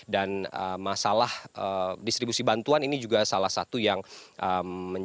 dan masalah distribusi bantuan ini juga salah satu yang menyebabkan